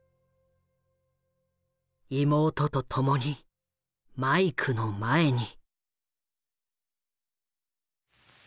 妹と共にマイクの前に。